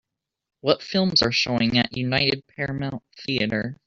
what films are showing at United Paramount Theatres